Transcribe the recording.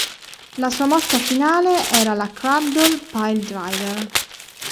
La sua mossa finale era la cradle piledriver.